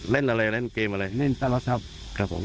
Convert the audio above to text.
เล่นอะไรเล่นเกมอะไรเล่นตลอดครับผม